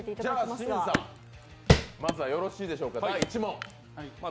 清水さん、まずはよろしいでしょうか、第１問。